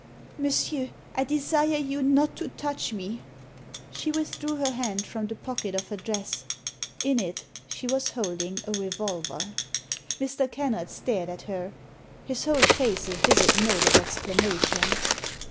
" Monsieur, I desire you not to touch me !" She withdrew her hand from the pocket of her dress ; in it she was holding a revolver. Mr. Kennard stared at her, his whole face a vivid note of exclama tion